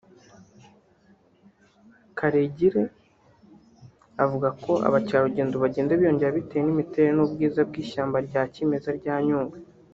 Karegire avuga ko abakerarugendo bagenda biyongera bitewe n’imiterere n’ubwiza bw’ishyamba rya kimeza rya Nyungwe